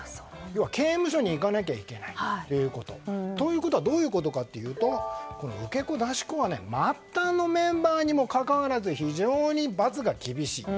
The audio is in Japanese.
要は、刑務所に行かなきゃいけないということ。ということはどういうことかというと受け子、出し子は末端のメンバーにもかかわらず非常に罰が厳しい。